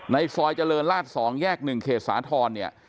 ในซอยเจริญลาศ๒แยก๑เกษฐรน